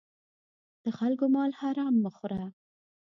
د خلکو مال حرام مه خوره.